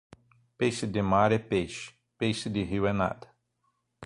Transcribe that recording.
Peixe de mar é peixe, peixe de rio é nada.